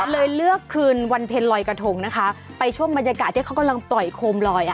เลยเลือกคืนวันเพ็ญลอยกระทงนะคะไปช่วงบรรยากาศที่เขากำลังปล่อยโคมลอยอ่ะ